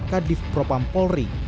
kadif propam polri